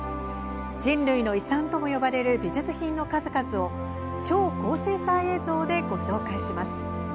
人類の遺産とも呼ばれる美術品の数々を超高精細映像でご紹介します。